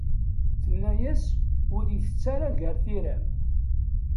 Tenna-yas ur itett ara gar tiram.